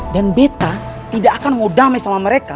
dan betta tidak akan mau damai sama mereka